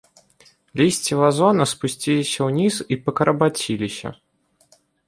Лісці вазона спусціліся ўніз і пакарабаціліся.